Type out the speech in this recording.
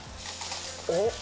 おっ。